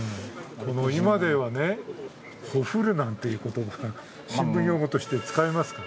今では、ほふるなんていう言葉、新聞用語として使いますか？